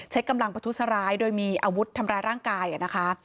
กำลังประทุษร้ายโดยมีอาวุธทำร้ายร่างกายนะคะ